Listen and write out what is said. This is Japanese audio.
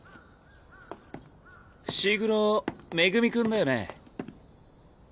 伏黒恵君だよね？